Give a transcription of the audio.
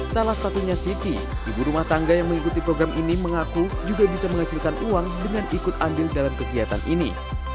salah satunya siti ibu rumah tangga yang mengikuti program ini mengaku juga bisa menghasilkan uang dengan ikut ambil dalam kegiatan ini